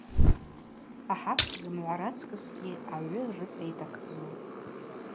Хӏа хӏакӏвпӏ зымгӏва рацкӏысгьи агӏвы рыцӏа йтахъдзу.